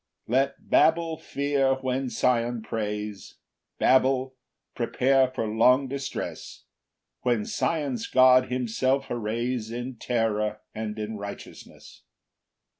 5 Let Babel fear when Sion prays; Babel, prepare for long distress When Sion's God himself arrays In terror, and in righteousness.